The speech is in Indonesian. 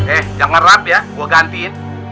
eh jangan rap ya gue gantiin